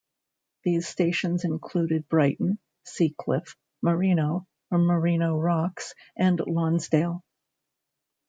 These stations included Brighton, Seacliff, Marino, Marino Rocks and Lonsdale.